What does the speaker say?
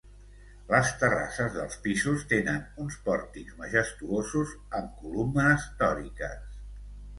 Les terrasses dels pisos tenen uns pòrtics majestuosos amb columnes dòriques.